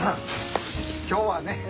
今日はね。